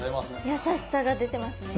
やさしさが出てますね。